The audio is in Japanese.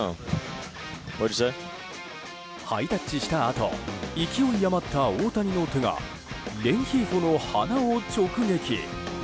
ハイタッチしたあと勢い余った大谷の手がレンヒーフォの鼻を直撃。